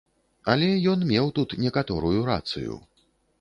Але ён меў тут некаторую рацыю.